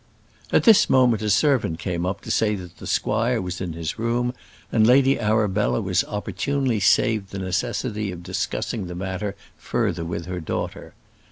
At this moment a servant came up to say that the squire was in his room, and Lady Arabella was opportunely saved the necessity of discussing the matter further with her daughter.